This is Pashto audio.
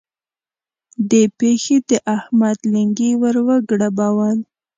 دې پېښې د احمد لېنګي ور وګړبول.